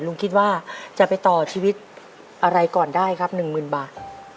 ลุงคิดว่าจะไปต่อชีวิตอะไรก่อนได้ครับ๑๐๐๐บาท